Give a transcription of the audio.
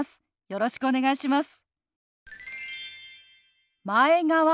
よろしくお願いします。